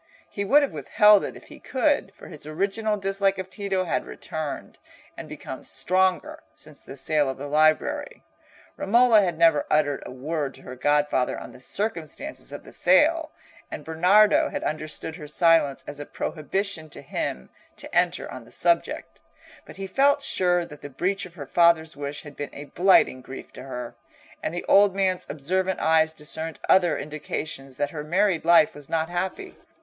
He would have withheld it if he could; for his original dislike of Tito had returned, and become stronger, since the sale of the library. Romola had never uttered a word to her godfather on the circumstances of the sale, and Bernardo had understood her silence as a prohibition to him to enter on the subject, but he felt sure that the breach of her father's wish had been a blighting grief to her, and the old man's observant eyes discerned other indications that her married life was not happy.